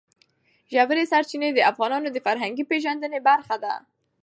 ژورې سرچینې د افغانانو د فرهنګي پیژندنې برخه ده.